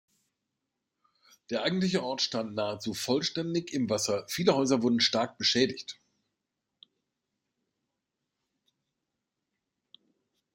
Der eigentliche Ort stand nahezu vollständig im Wasser, viele Häuser wurden stark beschädigt.